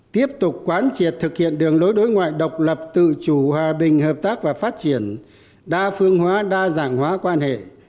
tiếp tục quán triệt thực hiện đường lối đối ngoại độc lập tự chủ hòa bình hợp tác và phát triển đa phương hóa đa dạng hóa quan hệ